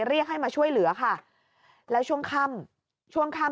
เรียกให้มาช่วยเหลือค่ะแล้วช่วงค่ำช่วงค่ำ